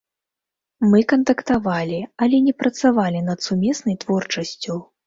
Мы кантактавалі, але не працавалі над сумеснай творчасцю.